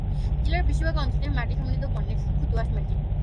জেলার বেশিরভাগ অঞ্চলে, মাটি সমৃদ্ধ বর্ণের সূক্ষ্ম দোআঁশ মাটি।